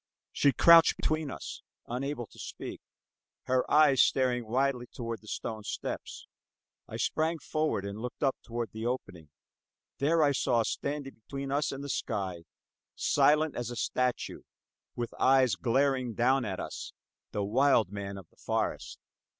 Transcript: She crouched between us, unable to speak, her eyes staring wildly toward the stone steps. I sprang forward and looked up toward the opening. There I saw, standing between us and the sky, silent as a statue, with eyes glaring down at us the wild man of the forest.